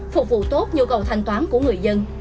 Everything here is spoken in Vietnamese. phục vụ tốt nhu cầu thanh toán của người dân